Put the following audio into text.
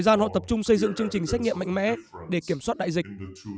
thời gian họ tập trung xây dựng chương trình xét nghiệm mạnh mẽ để kiểm soát đại dịch